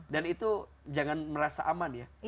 dan itu jangan merasa aman ya